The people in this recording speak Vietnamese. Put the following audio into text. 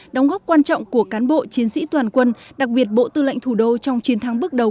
đóng góp quan trọng của cán bộ chiến sĩ toàn quân đặc biệt bộ tư lệnh thủ đô trong chiến thắng bước đầu